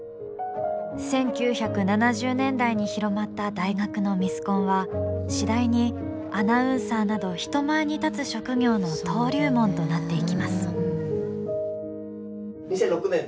１９７０年代に広まった大学のミスコンは次第に、アナウンサーなど人前に立つ職業の登竜門となっていきます。